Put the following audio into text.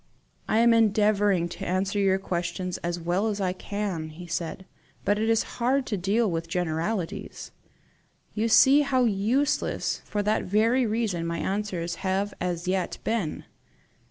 "I am endeavouring to answer your questions as well as I can," he said; "but it is hard to deal with generalities. You see how useless, for that very reason, my answers have as yet been!